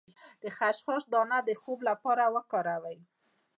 د خشخاش دانه د خوب لپاره وکاروئ